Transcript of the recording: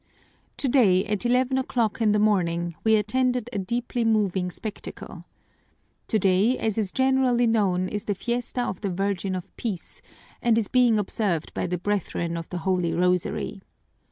"Today, at eleven o'clock in the morning, we attended a deeply moving spectacle. Today, as is generally known, is the fiesta of the Virgin of Peace and is being observed by the Brethren of the Holy Rosary.